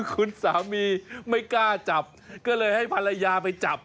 คุณสามีไม่กล้าจับก็เลยให้ภรรยาไปจับ